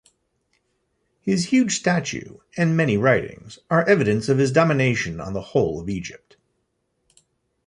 His huge statue, and many writings, are evidence of his domination on the whole of Egypt.